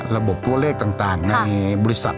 ระบบตัวเลขต่างในบริษัท